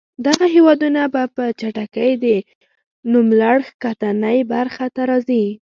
دغه هېوادونه به په چټکۍ د نوملړ ښکتنۍ برخې ته راځي.